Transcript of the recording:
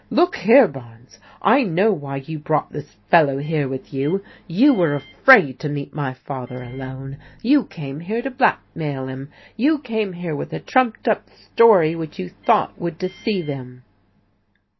Look here, Barnes, I know why you brought this fellow here with you. You were afraid to meet my father alone. You came here to blackmail him, you came here with a trumped up story which you thought would deceive him."